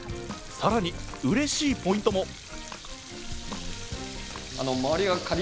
更にうれしいポイントも！